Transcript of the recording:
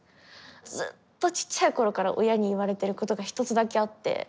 ずっとちっちゃい頃から親に言われてることが一つだけあって。